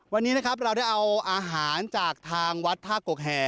วันนี้นะครับเราได้เอาอาหารจากทางวัดท่ากกแห่